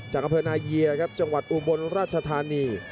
จากกระเภินอาเยียครับจังหวัดอุบลราชธานี